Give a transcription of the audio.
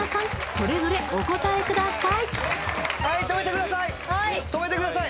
それぞれお答えください